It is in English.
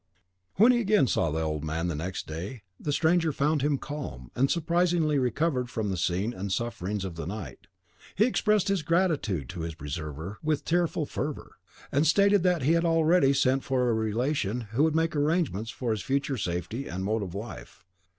When he again saw the old man the next day, the stranger found him calm, and surprisingly recovered from the scene and sufferings of the night. He expressed his gratitude to his preserver with tearful fervour, and stated that he had already sent for a relation who would make arrangements for his future safety and mode of life.